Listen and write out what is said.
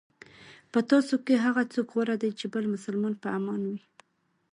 په تاسو کې هغه څوک غوره دی چې بل مسلمان په امان وي.